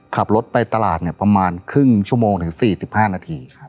ขับรถไปตลาดประมาณครึ่งชั่วโมงถึง๔๕นาที